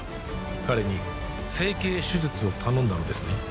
彼に整形手術を頼んだのですね？